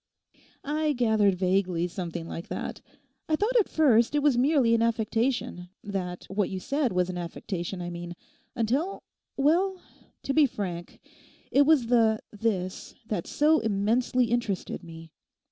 'I gathered vaguely something like that. I thought at first it was merely an affectation—that what you said was an affectation, I mean—until—well, to be frank, it was the "this" that so immensely interested me.